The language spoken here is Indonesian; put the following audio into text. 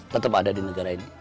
tetap ada di negara ini